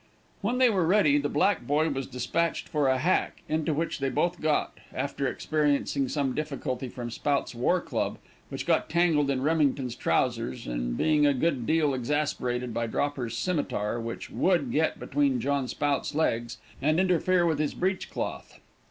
When they were ready, the black boy was dispatched for a hack, into which they both got; after experiencing some difficulty from Spout's war club, which got tangled in Remington's trousers, and being a good deal exasperated by Dropper's scimitar which would get between John Spout's legs and interfere with his breech cloth.